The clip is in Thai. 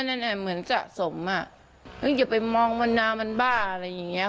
นั่นแหละเหมือนสะสมอ่ะอย่าไปมองมันน้ำมันบ้าอะไรอย่างเงี้ย